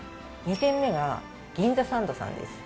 ２店目は銀座サンドさんです